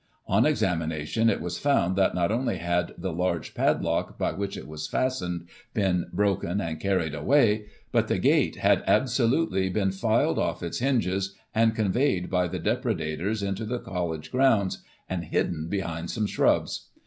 On examination, it was found that not only had the large padlock by which it was fastened, been broken and carried away, but the gate had absolutely been filed off its hinges, and conveyed by the depredators into the College Digiti ized by Google 208 GOSSIP. [1843 grounds, and hidden behind some shrubs.